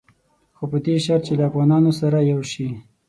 خو په دې شرط چې له افغانانو سره یو شي.